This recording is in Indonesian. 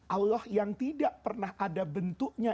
allah yang tidak pernah ada bentuknya